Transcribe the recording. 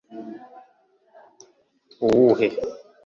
uwuhe